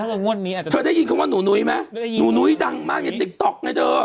เราก็ได้อ้วนกลับมาบ้างไง